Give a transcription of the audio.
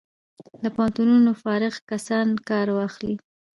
له پوهنتونونو فارغ کسان کار واخلي.